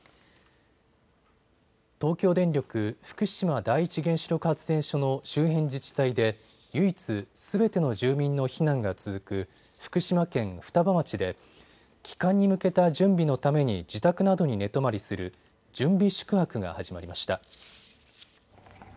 東京電力福島第一原子力発電所の周辺自治体で唯一すべての住民の避難が続く福島県双葉町で帰還に向けた準備のために自宅などに寝泊まりする準備宿泊が始まりました。